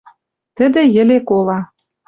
Тӹдӹ йӹле кола...»